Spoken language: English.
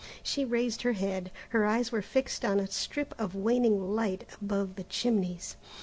She raised her head. Her eyes were fixed on a strip of waning light above the chimneys.